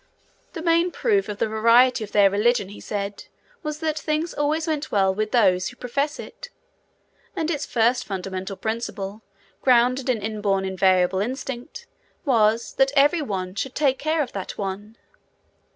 The main proof of the verity of their religion, he said, was that things always went well with those who profess it; and its first fundamental principle, grounded in inborn invariable instinct, was, that every One should take care of that One.